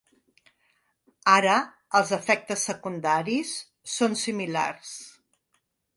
Ara, els efectes secundaris són similars.